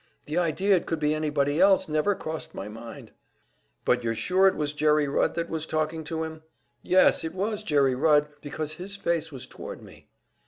The idea it could be anybody else never crossed my mind." "But you're sure it was Jerry Rudd that was talking to him?" "Yes, it was Jerry Rudd, because his face was toward me."